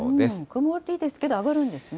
曇りですけど、上がるんですね。